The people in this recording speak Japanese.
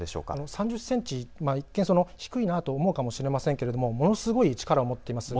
３０センチ、一見低いなと思うかもしれませんがものすごい力を持ってます。